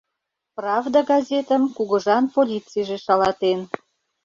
«Правда» газетым кугыжан полицийже шалатен.